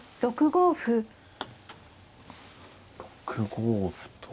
６五歩と。